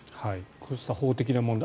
こうした法的な問題